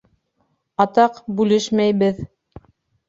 Атаҡ, бүлешмәйбеҙ.